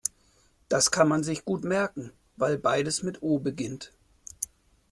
Das kann man sich gut merken, weil beides mit O beginnt.